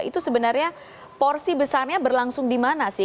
itu sebenarnya porsi besarnya berlangsung di mana sih